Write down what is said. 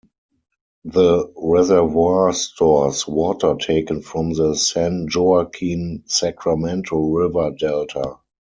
The reservoir stores water taken from the San Joaquin-Sacramento River Delta.